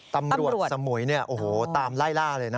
ตำรวจสมุยเนี่ยโอ้โหตามไล่ล่าเลยนะ